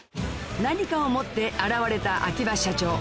何かを持って現れた秋葉社長